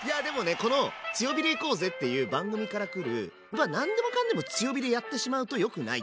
この「強火で行こうぜ！」っていう番組から来る何でもかんでも強火でやってしまうとよくないっていう。